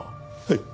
はい。